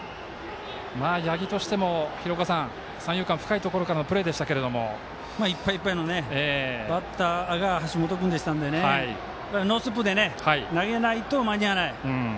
八木としても三遊間深いところからのプレーでしたけれどもいっぱいいっぱいのバッターが橋本君ですからノーステップで投げないと間に合わない。